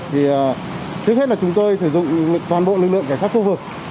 thì trước hết là chúng tôi sử dụng toàn bộ lực lượng cả các khu vực